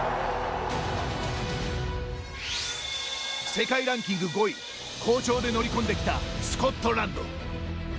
世界ランキング５位好調で乗り込んできたスコットランド。